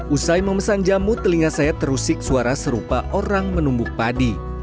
usai memesan jamu telinga saya terusik suara serupa orang menumbuk padi